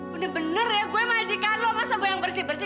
bener bener ya gue majikan lo masa gue yang bersih bersih